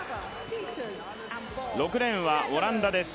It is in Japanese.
６レーンはオランダです。